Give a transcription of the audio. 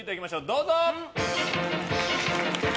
どうぞ！